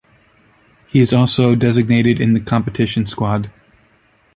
He is also designated in the competition squad.